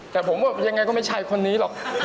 แต่ผมก็ยังไงก็ไม่ใช่คนนี้หรอก